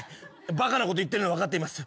バカなこと言ってるのは分かっています。